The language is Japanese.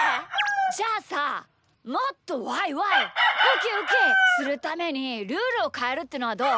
じゃあさもっとワイワイウキウキするためにルールをかえるってのはどう？